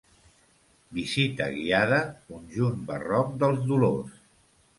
Visita guiada "Conjunt barroc dels Dolors"